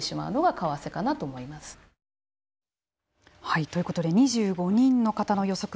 はいということで２５人の方の予測